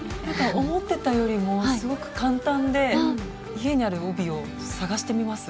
思ってたよりもすごく簡単で家にある帯を探してみます